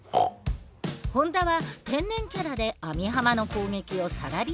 本田は天然キャラで網浜の攻撃をさらりとかわす。